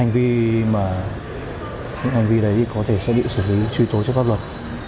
những hành vi đấy có thể sẽ bị xử lý truy tố cho pháp luật